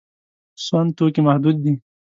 سون توکي محدود دي.